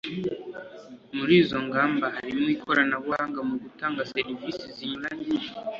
Muri izo ngamba harimo ikoranabuhanga mu gutanga serivisi zinyuranye